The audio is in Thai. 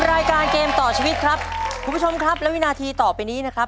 ป่ะคุณผู้ชมครับแล้ววินาทีต่อไปนี้นะครับ